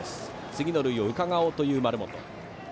次の塁をうかがおうという丸本。